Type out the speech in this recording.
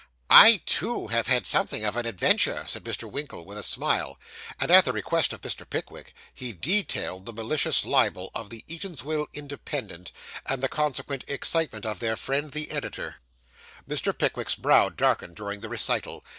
'I, too, have had something of an adventure,' said Mr. Winkle, with a smile; and, at the request of Mr. Pickwick, he detailed the malicious libel of the Eatanswill Independent, and the consequent excitement of their friend, the editor. Mr. Pickwick's brow darkened during the recital.